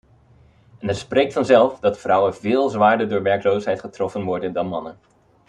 En het spreekt vanzelf dat vrouwen veel zwaarder door werkloosheid getroffen worden dan mannen.